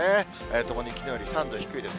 ともにきのうより３度低いです。